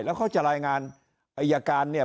แล้วเขาจะรายงานอายการเนี่ย